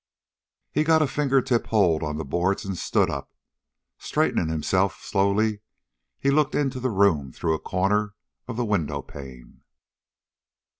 He got a fingertip hold on the boards and stood up. Straightening himself slowly, he looked into the room through a corner of the window pane.